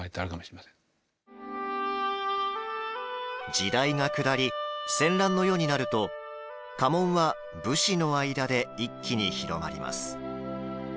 時代が下り、戦乱の世になると家紋は、武士の間で一気に広まります。